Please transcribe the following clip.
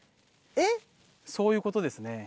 そういうことですね。